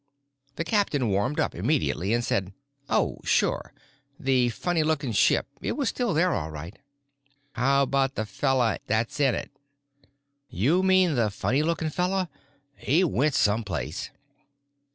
The captain warmed up immediately and said oh, sure, the funny lookin' ship, it was still there all right. "How about the fella that's in it?" "You mean the funny lookin' fella? He went someplace."